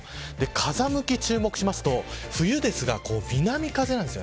風向きに注目しますと冬ですが、南風です。